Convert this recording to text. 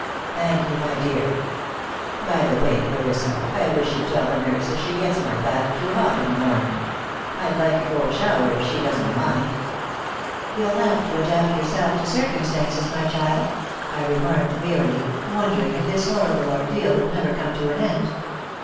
Thank you, my dear. By the way, Clarissa, I wish you'd tell the nurse that she gets my bath too hot in the morning. I'd like a cold shower, if she doesn't mind." "You'll have to adapt yourself to circumstances, my child," I remarked, wearily, wondering if this horrible ordeal would never come to an end.